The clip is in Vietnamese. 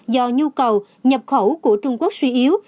do nhu cầu nhập khẩu của trung quốc suy yếu